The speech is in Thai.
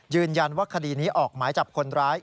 ยืนยันว่าคดีนี้ออกหมายจับคนร้าย